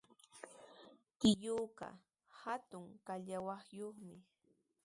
Tiyuuqa hatun kachallwayuqmi.